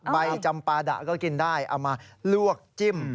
ใบจำปาดะก็กินได้เอามาลวกจิ้ม